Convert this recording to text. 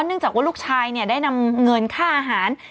จากว่าลูกชายได้นำเงินค่าอาหาร